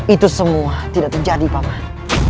itu semua tidak terjadi paman